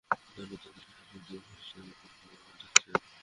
কিন্তু অনেক দিন ধরে সেই পেটেন্টের সনদপত্রটি খুঁজে পাওয়া যাচ্ছিল না।